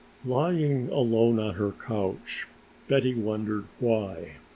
Lying alone on her couch Betty wondered why?